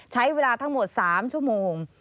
ใช้เวลาทั้งหมด๓ชั่วโมง